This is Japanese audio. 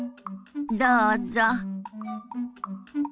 どうぞ。